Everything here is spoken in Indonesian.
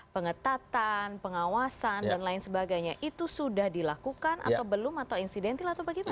pengetatan pengawasan dan lain sebagainya itu sudah dilakukan atau belum atau insidentil atau bagaimana